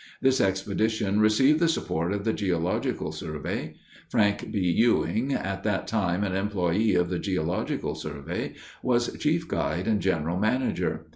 This expedition received the support of the Geological Survey. Frank B. Ewing, at that time an employee of the Geological Survey, was chief guide and general manager.